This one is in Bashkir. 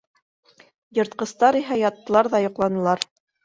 Йыртҡыстар иһә яттылар ҙа йоҡланылар.